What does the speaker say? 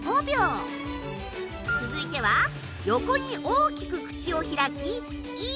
続いては横に大きく口を開き。